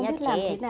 thương hai đứa cháu